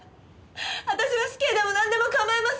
私は死刑でもなんでも構いません！